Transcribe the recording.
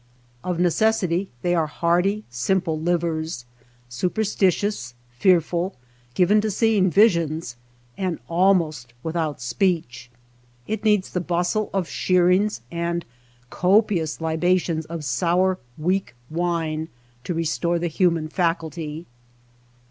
Of necessity they are hardy, / simple livers, superstitious, fearful, given to I seeing visions, and almost without speech. I It needs the bustle of shearings and copi ous libations of sour, weak wine to re store the human faculty.